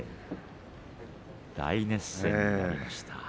大熱戦になりました。